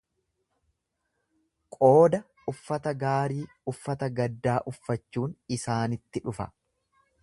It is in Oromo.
Qooda uffata gaarii uffata gaddaa uffachuun isaanitti dhufa.